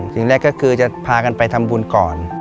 สิ่งแรกก็คือจะพากันไปทำบุญก่อน